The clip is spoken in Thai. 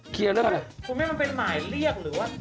เคลียร์แล้วหรอคุณไม่มีเป็นหมายเรียกหรือว่า